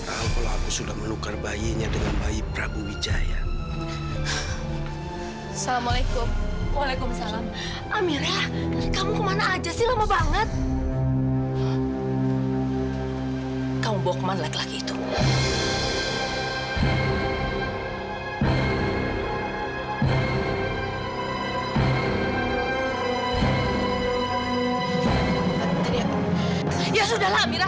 tahu kalau aku sudah menukar bayinya dengan bayi prabu wijaya assalamualaikum waalaikum salam amirah